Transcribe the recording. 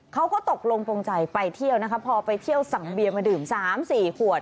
เขาก็ตกลงปงใจไปเที่ยวนะคะพอไปเที่ยวสั่งเบียร์มาดื่ม๓๔ขวด